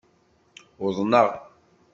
Uḍneɣ!